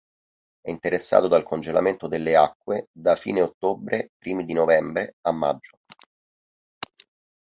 È interessato dal congelamento delle acque da fine ottobre-primi di novembre a maggio.